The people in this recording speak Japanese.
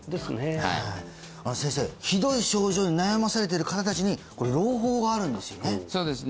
ひどい症状に悩まされている方達にこれ朗報があるんですよね？